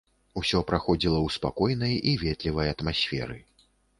Усё праходзіла ў спакойнай і ветлівай атмасферы.